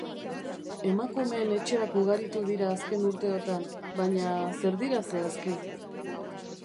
Emakumeen etxeak ugaritu dira azken urteotan, baina zer dira zehazki?